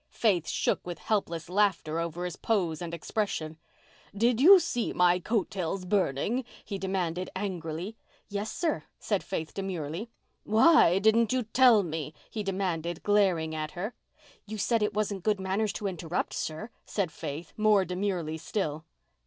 Faith shook with helpless laughter over his pose and expression. "Did you see my coat tails burning?" he demanded angrily. "Yes, sir," said Faith demurely. "Why didn't you tell me?" he demanded, glaring at her. "You said it wasn't good manners to interrupt, sir," said Faith, more demurely still.